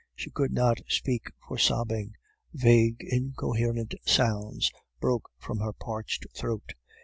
She could not speak for sobbing; vague, incoherent sounds broke from her parched throat.